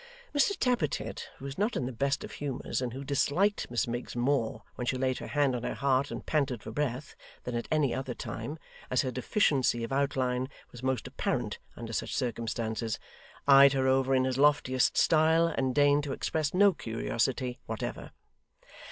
Mr Tappertit, who was not in the best of humours, and who disliked Miss Miggs more when she laid her hand on her heart and panted for breath than at any other time, as her deficiency of outline was most apparent under such circumstances, eyed her over in his loftiest style, and deigned to express no curiosity whatever.